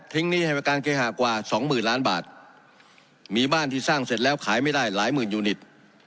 หนี้ให้ประการเคหากว่าสองหมื่นล้านบาทมีบ้านที่สร้างเสร็จแล้วขายไม่ได้หลายหมื่นยูนิต